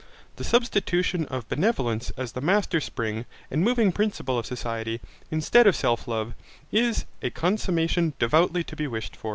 The substitution of benevolence as the master spring and moving principle of society, instead of self love, is a consummation devoutly to be wished.